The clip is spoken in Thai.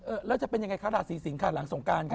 เออแล้วจะเป็นยังไงขนาดสี่สิงห์ค่ะหลังสงการค่ะ